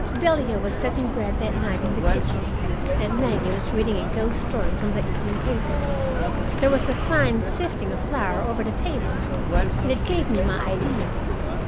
Delia was setting bread that night in the kitchen, and Maggie was reading a ghost story from the evening paper. There was a fine sifting of flour over the table, and it gave me my idea.